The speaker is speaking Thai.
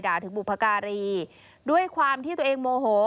ถึงบุพการีด้วยความที่ตัวเองโมโห